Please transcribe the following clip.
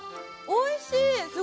おいしい！